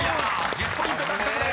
１０ポイント獲得です］